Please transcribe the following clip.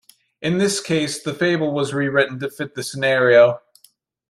In this case the fable was rewritten to fit the scenario.